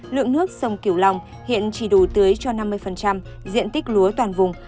lượng nước sông kiều long hiện chỉ đủ tưới cho năm mươi diện tích lúa toàn vùng